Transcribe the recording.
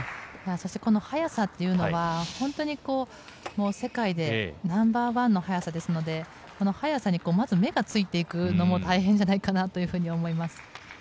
そしてこの速さというのは本当に世界でナンバーワンの速さですのでこの速さにまず目がついていくのも大変じゃないかと思います。